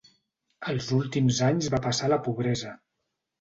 Els últims anys va passar a la pobresa.